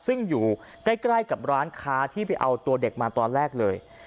ซึ่งอยู่ใกล้กับร้านค้าที่ไปเอาตัวเด็กมาตอนแรกเลย